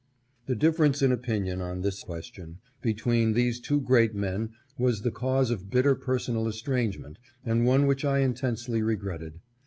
The difference in opinion on this question between these two great men was the cause of bitter personal es trangement, and one which I intensely regretted.